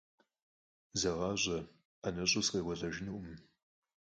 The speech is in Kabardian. ЗэгъащӀэ, ӀэнэщӀу сыкъекӀуэлӀэжынукъым.